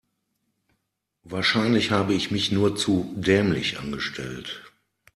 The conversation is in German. Wahrscheinlich habe ich mich nur zu dämlich angestellt.